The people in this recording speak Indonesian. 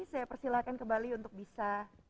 saya persilahkan kembali untuk bisa